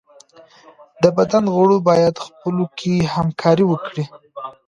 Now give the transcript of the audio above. د بدن غړي بايد خپلو کي همکاري وکړي.